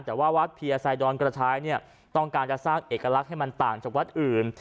แต่ว่าวัดเพียไซดอนกระชายเนี่ยต้องการจะสร้างเอกลักษณ์ให้มันต่างจากวัดอื่น